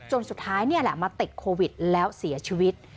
สุดท้ายนี่แหละมาติดโควิดแล้วเสียชีวิต